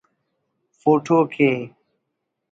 فوٹوک ءُ